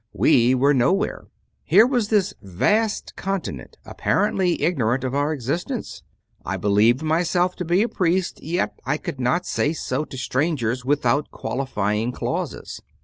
we were nowhere. Here was this vast continent ap parently ignorant of our existence! I believed myself a priest, yet I could not say so to strangers without qualifying clauses.